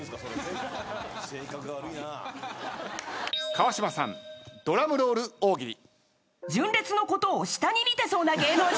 川島さんドラムロール大喜利。